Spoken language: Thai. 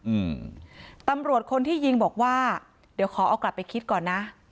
อืมตำรวจคนที่ยิงบอกว่าเดี๋ยวขอเอากลับไปคิดก่อนนะ